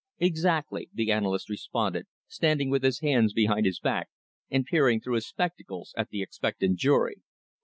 "Exactly," the analyst responded, standing with his hands behind his back and peering through his spectacles at the expectant jury.